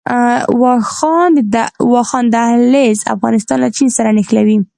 واخان دهلیز افغانستان له چین سره نښلوي